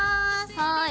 はい。